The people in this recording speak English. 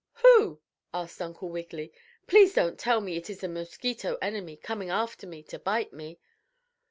"Who?" asked Uncle Wiggily. "Please don't tell me it is the mosquito enemy coming after me to bite me."